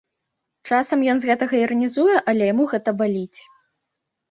Часам ён з гэтага іранізуе, але яму гэта баліць.